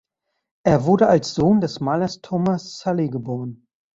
Er wurde als Sohn des Malers Thomas Sully geboren.